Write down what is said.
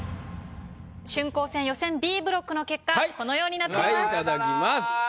春光戦予選Ｂブロックの結果このようになっています。